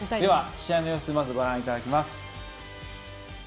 試合の様子をご覧いただきます。